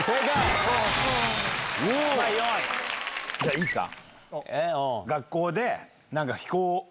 いいっすか？